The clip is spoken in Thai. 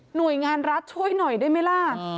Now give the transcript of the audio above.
หน่วยงานรัฐช่วยหน่อยได้ไหมล่ะ